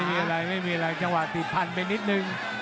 มีอะไรไม่มีอะไรจังหวะติดพันไปนิดนึง